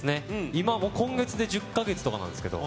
今、今月で１０か月とかなんですけど。